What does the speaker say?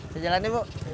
saya jalanin bu